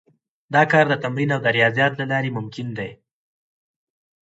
دا کار د تمرين او رياضت له لارې ممکن دی.